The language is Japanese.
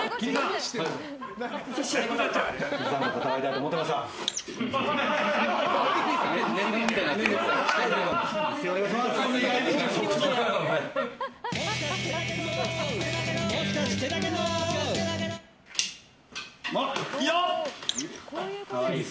お願いします。